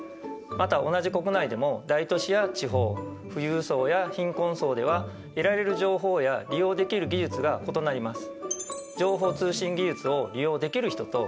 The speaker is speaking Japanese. また同じ国内でも大都市や地方富裕層や貧困層では得られる情報や利用できる技術が異なります。